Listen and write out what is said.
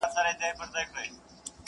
کلي مو وسوځیږي!